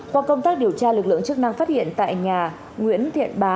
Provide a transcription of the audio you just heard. qua công tác điều tra lực lượng chức năng phát hiện tại nhà nguyễn thiện bá